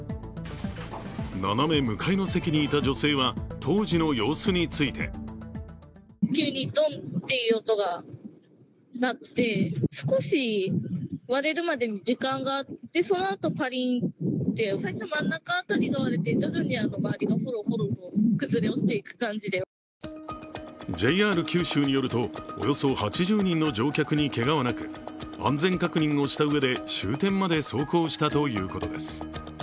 斜め向かいの席にいた女性は当時の様子についてＪＲ九州によると、およそ８０人の乗客にけがはなく安全確認をしたうえで、終点まで走行したということです。